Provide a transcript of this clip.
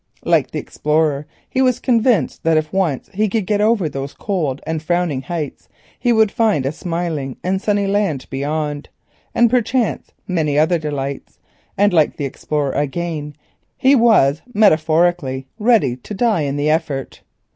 Like the explorer he was convinced that if once he could get over those cold heights he would find a smiling sunny land beyond and perchance many other delights, and like the explorer again, he was, metaphorically, ready to die in the effort.